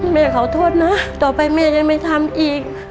แม่ขอโทษนะต่อไปแม่จะไม่ทำอีก